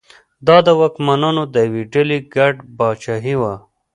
دا د واکمنانو د یوې ډلې ګډه پاچاهي وه.